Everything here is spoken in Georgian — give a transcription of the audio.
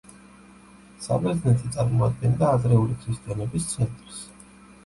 საბერძნეთი წარმოადგენდა ადრეული ქრისტიანობის ცენტრს.